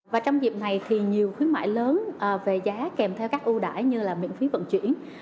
và trong dịp này thì nhiều khuyến mại lớn về giá kèm theo các ưu đải như là miễn phí vận chuyển